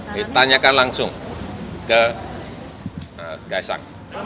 ditanyakan langsung ke kaesang